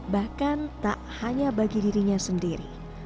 bahkan tak hanya bagi dirinya sendiri